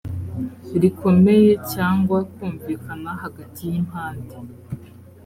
rikomeye cyangwa kumvikana hagati y impande